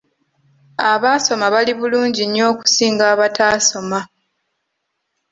Abaasoma bali bulungi nnyo okusinga abataasoma.